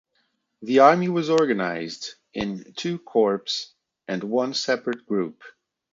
The army was organised in two corps and one separate group.